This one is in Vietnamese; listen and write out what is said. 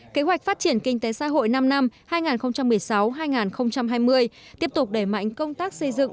kế hoạch phát triển kinh tế xã hội năm năm hai nghìn một mươi sáu hai nghìn hai mươi tiếp tục đẩy mạnh công tác xây dựng